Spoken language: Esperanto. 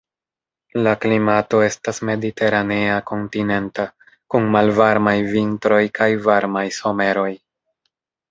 La klimato estas mediteranea kontinenta, kun malvarmaj vintroj kaj varmaj someroj.